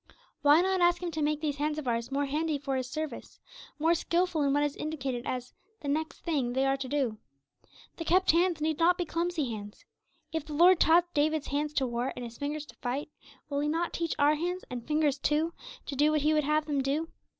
Why not ask him to make these hands of ours more handy for His service, more skilful in what is indicated as the 'next thynge' they are to do? The 'kept' hands need not be clumsy hands. If the Lord taught David's hands to war and his fingers to fight, will He not teach our hands, and fingers too, to do what He would have them do?